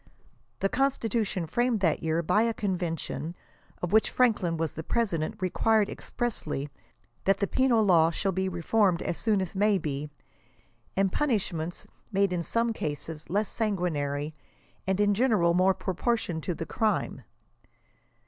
The Constitution framed that year by a Convention, of which Franklin was the President, required expressly, (ch. ii. section 38,) that the penal law shall be reformed as soon as may be, and punishments made in some cases less sanguinary, and in general more proportioned to the crimes."